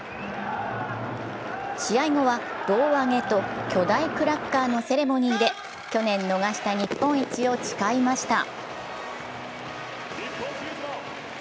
試合後は胴上げと巨大クラッカーのセレモニーで去年逃した日本一を誓いました。